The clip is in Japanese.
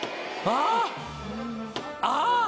ああ！